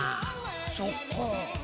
そっか。